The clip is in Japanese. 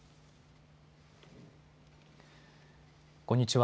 こんにちは。